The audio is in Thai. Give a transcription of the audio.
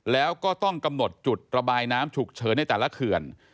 แล้วก็ต้องกำหนดจุดระบายน้ำฉุกเฉินในแต่ละเขื่อน